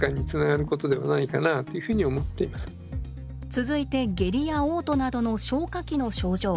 続いて下痢やおう吐などの消化器の症状。